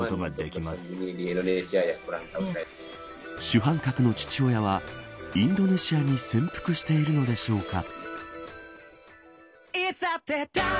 主犯格の父親はインドネシアに潜伏しているのでしょうか。